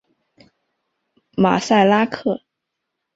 马赛拉克。